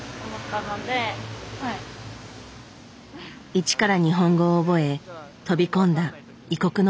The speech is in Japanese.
一から日本語を覚え飛び込んだ異国のお笑い界。